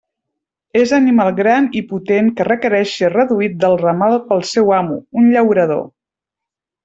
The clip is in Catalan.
És animal gran i potent que requereix ser reduït del ramal pel seu amo, un llaurador.